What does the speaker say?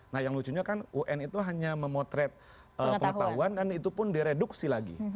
nah yang lucunya kan un itu hanya memotret pengetahuan dan itu pun direduksi lagi